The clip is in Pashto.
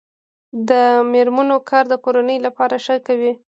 د میرمنو کار د کورنۍ پلان ښه کوي.